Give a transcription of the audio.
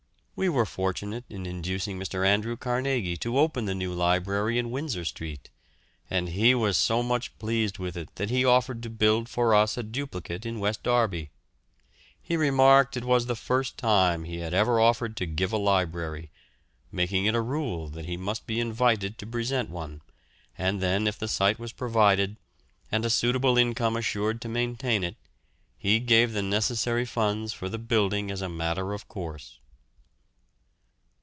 We were fortunate in inducing Mr. Andrew Carnegie to open the new library in Windsor Street, and he was so much pleased with it that he offered to build for us a duplicate in West Derby. He remarked it was the first time he had ever offered to give a library, making it a rule that he must be invited to present one, and then if the site was provided, and a suitable income assured to maintain it, he gave the necessary funds for the building as a matter of course.